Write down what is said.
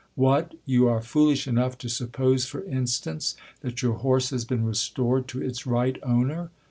What ! you are foolish enough to suppose, for instance, that your horse has been restored to its right owner?